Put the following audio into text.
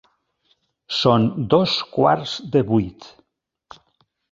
Són dos quarts de vuit.